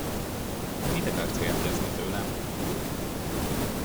Mit akarsz kérdezni tőlem?